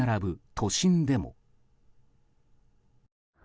都心でも。